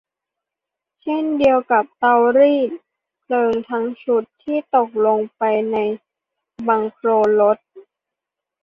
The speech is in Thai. เช่นเดียวกับเตารีดเพลิงทั้งชุดที่ตกลงไปในบังโคลนรถ